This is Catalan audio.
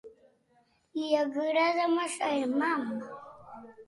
Li agrada massa el mam.